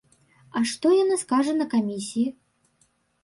А што яна скажа на камісіі?